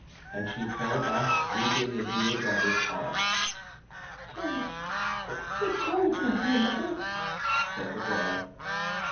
And she fell back, weeping, into her daughter's arms. "Courage, take courage, my dear mother!" said the girl.